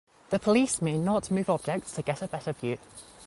The police may not move objects to get a better view.